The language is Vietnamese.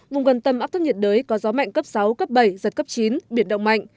vùng gần tâm áp thấp nhiệt đới có gió mạnh cấp sáu cấp bảy giật cấp chín biển động mạnh